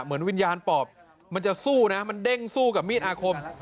เหมือนวิญญาณปอบมันจะสู้นะมันเด้งสู้กับมีดอาคม